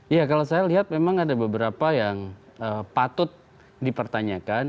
ya kalau saya lihat memang ada beberapa yang patut dipertanyakan